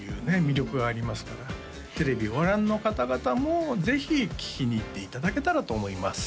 魅力がありますからテレビをご覧の方々もぜひ聴きに行っていただけたらと思います